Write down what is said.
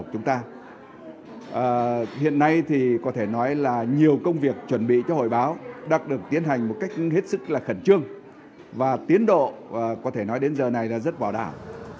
hiện nay thì có thể nói là nhiều công việc chuẩn bị cho hội báo đã được tiến hành một cách hết sức là khẩn trương và tiến độ có thể nói đến giờ này là rất vào đảo